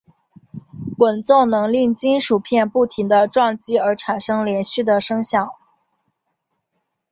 滚奏能令金属片不停地撞击而产生连续的声响。